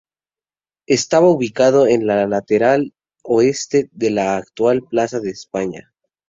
Estaba ubicado en el lateral oeste de la actual plaza de España.